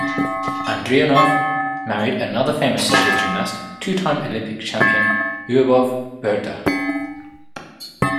Andrianov married another famous Soviet gymnast, two-time Olympic champion Lyubov Burda.